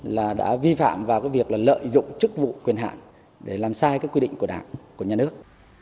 là đã vi phạm vào cái việc là lợi dụng chức vụ quyền hạn để làm sai cái quy định của đảng của nhà nước